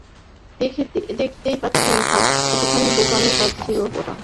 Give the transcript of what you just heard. দেখতেই পাচ্ছেন কতখানি বোকামির কাজ ছিল ওটা!